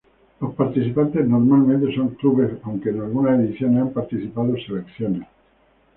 Los participantes normalmente son clubes aunque, en algunas ediciones, han participado selecciones.